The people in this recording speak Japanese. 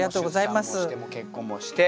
出産もして結婚もして。